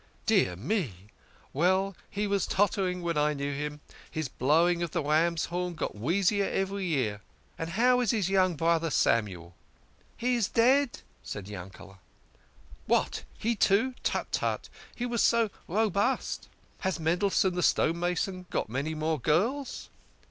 " Dear me ! Well, he was tottering when I knew him. His blowing of the ram's horn got wheezier every year. And how is his young brother, Samuel?" " He is dead !" said Yankele. " What, he too ! Tut, tut ! He was so robust. Has Mendelssohn, the stonemason, got many more girls?"